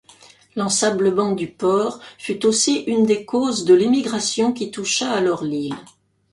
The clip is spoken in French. L'ensablement du port fut aussi une des causes de l'émigration qui toucha alors l'île.